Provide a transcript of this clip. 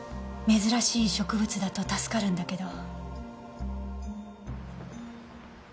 珍しい植物だと助かるんだけど。